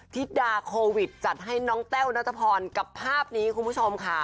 ธิดาโควิดจัดให้น้องแต้วนัทพรกับภาพนี้คุณผู้ชมค่ะ